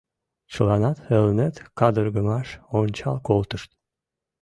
Чыланат Элнет кадыргымаш ончал колтышт.